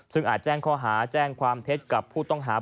ซึ่งอาจแจ้งข้อหาแจ้งความเท็จกับผู้ต้องหา